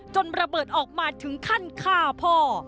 ระเบิดออกมาถึงขั้นฆ่าพ่อ